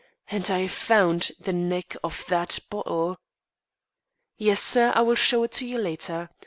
And I found the neck of that bottle! "Yes, sir, I will show it to you later.